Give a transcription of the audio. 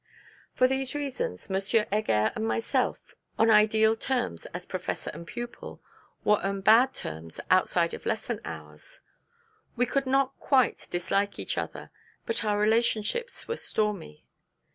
For these reasons, M. Heger and myself on ideal terms as Professor and pupil were on bad terms outside of lesson hours. We could not quite dislike each other; but our relationships were stormy.